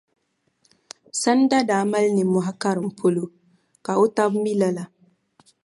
Sanda daa mali nimmohi karim polo ka o taba mi lala.